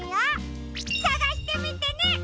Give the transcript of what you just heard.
さがしてみてね！